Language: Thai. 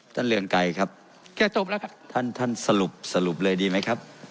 เรืองไกรครับแค่จบแล้วครับท่านท่านสรุปสรุปเลยดีไหมครับ